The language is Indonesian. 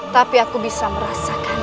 tapi aku bisa merasakan